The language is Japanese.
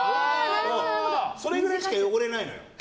それぐらいしか汚れないのよ。